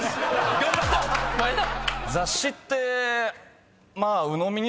頑張った前田！